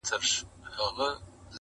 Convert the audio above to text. نه یې بیرته سوای قفس پیدا کولای -